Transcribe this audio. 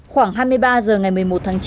khoảng hai mươi ba h ngày một mươi một tháng chín